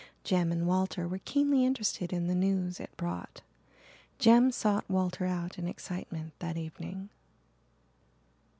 Jem and Walter were keenly interested in the news it brought. Jem sought Walter out in excitement that evening.